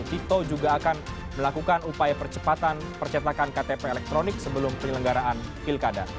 tito juga akan melakukan upaya percepatan percetakan ktp elektronik sebelum penyelenggaraan pilkada